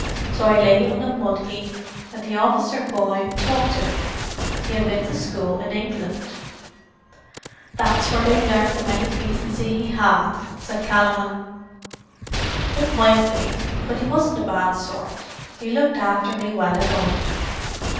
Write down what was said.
So I lay on a mud heap, and the officer boy talked to me—he had been to school in England." "That's where they larned him any decency he had," said Callaghan. "It might be. But he wasn't a bad sort. He looked after me well enough.